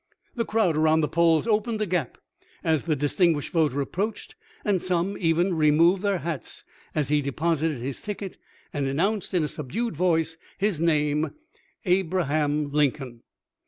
The crowd around the polls opened a gap as the distinguished voter approached, and some even removed their hats as he deposited his ticket and announced in a subdued voice his name, "Abraham Lincoln."